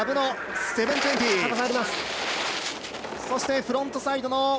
そしてフロントサイドの７２０。